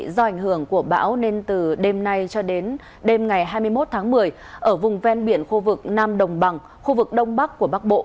do ảnh hưởng của bão nên từ đêm nay cho đến đêm ngày hai mươi một tháng một mươi ở vùng ven biển khu vực nam đồng bằng khu vực đông bắc của bắc bộ